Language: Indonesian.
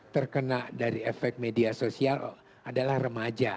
terkena dari efek media sosial adalah remaja